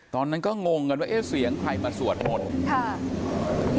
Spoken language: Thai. ตอนนั้นก็งงกันว่าเสียงใครมาสวดมนต์